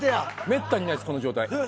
めったにないですこの状態。